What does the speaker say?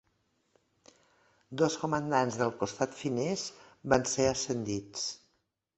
Dos comandants del costat finès van ser ascendits.